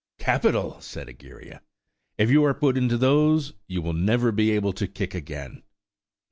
"Capital!" said Egeria. "If you are put into those you will never be able to kick again."